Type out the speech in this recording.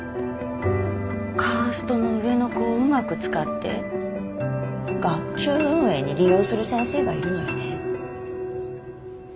カーストの上の子をうまく使って学級運営に利用する先生がいるのよね。